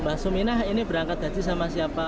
mbak suminah ini berangkat haji sama siapa